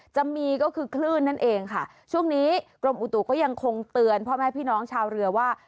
จะมีก็คือคลื่นนั่นเองค่ะช่วงนี้กรมอุตุก็ยังคงเตือนพ่อแม่พี่น้องชาวเรือว่า